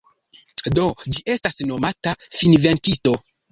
Do ĝi estas nomata Finvenkisto.